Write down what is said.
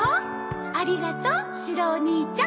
ありがとうシロお兄ちゃん。